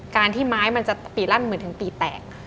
การที่ไม้จะปีรั่นเหมือนถึงตายแตก